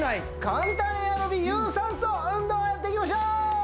簡単エアロビ有酸素運動をやっていきましょう！